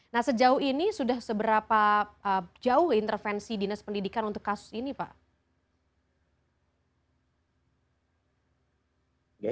nah sejauh ini sudah seberapa jauh intervensi dinas pendidikan untuk kasus ini pak